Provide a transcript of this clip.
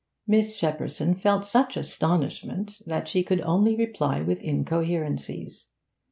Miss Shepperson felt such astonishment that she could only reply with incoherencies.